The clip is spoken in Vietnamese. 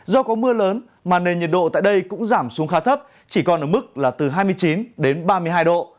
do có mưa lớn mà nền nhiệt độ tại đây cũng giảm xuống khá thấp chỉ còn ở mức là từ hai mươi chín đến ba mươi hai độ